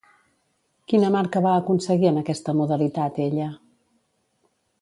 Quina marca va aconseguir en aquesta modalitat ella?